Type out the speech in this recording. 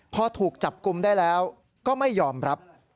พอถูกจับกลุ่มได้แล้วก็ไม่ยอมรับ